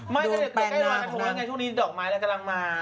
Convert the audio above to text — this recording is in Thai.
ใกล้รอยกระทงแล้วไงช่วงนี้ดอกไม้กำลังมา